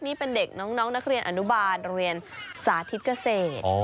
นี่เป็นเด็กน้องนักเรียนอนุบาลโรงเรียนสาธิตเกษตร